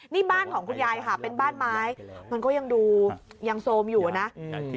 นี่บ้านของคุณยายค่ะเป็นบ้านไม้มันก็ยังดูยังโซมอยู่นะ